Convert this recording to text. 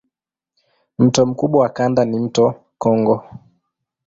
Mto mkubwa wa kanda ni mto Kongo.